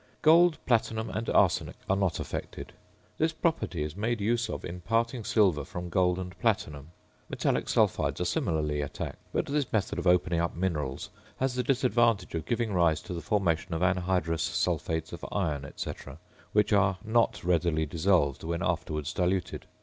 Gold, platinum, and arsenic are not affected. This property is made use of in parting silver from gold and platinum. Metallic sulphides are similarly attacked; but this method of opening up minerals has the disadvantage of giving rise to the formation of anhydrous sulphates of iron, &c., which are not readily dissolved when afterwards diluted.